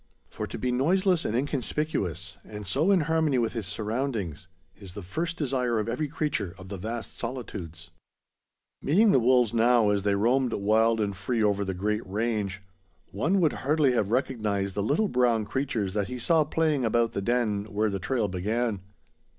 For to be noiseless and inconspicuous, and so in harmony with his surroundings, is the first desire of every creature of the vast solitudes. Meeting the wolves now, as they roamed wild and free over the great range, one would hardly have recognized the little brown creatures that he saw playing about the den where the trail began.